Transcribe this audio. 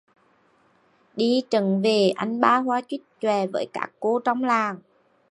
Đi trận về anh ba hoa chích chòe với các cô trong làng